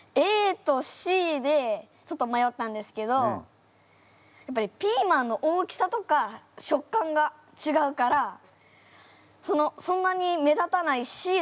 ＡとＣでちょっとまよったんですけどやっぱりピーマンの大きさとか食感がちがうからそんなに目立たないＣだと思ったから。